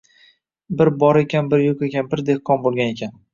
Bir bor ekan, bir yo’q ekan, bir dehqon bo’lgan ekan